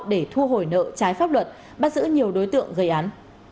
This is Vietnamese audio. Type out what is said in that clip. để thu hồi nợ trái pháp luật bắt giữ nhiều đối tượng gây án